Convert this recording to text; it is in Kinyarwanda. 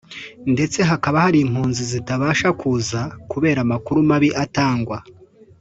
ndetse hakaba hari impunzi zitabasha kuza kubera amakuru mabi atangwa